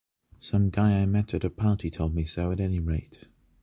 Some guy I met at a party told me so at any rate.